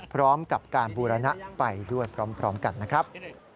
พร้อมกับการบูรณะไปด้วยพร้อมกันนะครับ